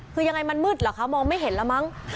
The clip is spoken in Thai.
คือยังไงมันมืดเหรอคะมองไม่เห็นแล้วมั้ง